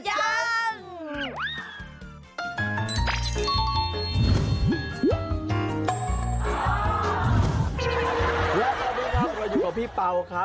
แล้วต่อไปครับเราอยู่กับพี่เป้าครับ